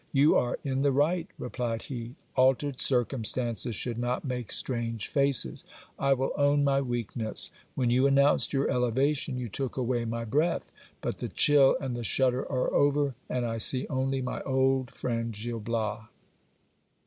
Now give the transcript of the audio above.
You are in the right, replied he ; altered circumstances should not make strange faces. I will own my weakness ; when you announced your elevation you took away my breath ; but the chill and the shudder are over, and I see only my old friend Gil Bias.